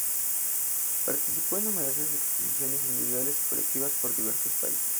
Participó en numerosas exposiciones individuales y colectivas por diversos países.